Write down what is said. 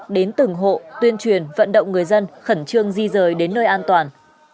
đến từng hộ tuyên truyền vận động người dân khẩn trương di rời đến nơi an toàn